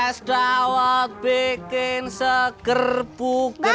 es dawat bikin sekerpukar